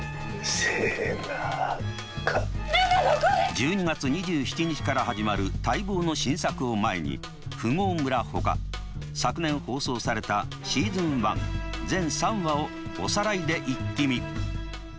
１２月２７日から始まる待望の新作を前に「富豪村」ほか昨年放送されたシーズン１全３話をおさらいでイッキ見！